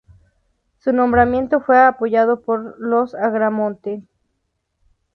Su nombramiento fue apoyado por los agramonteses.